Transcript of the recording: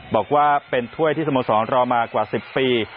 บอกว่าเป็นถ้วยที่สโมสรรอมากว่า๑๐ปี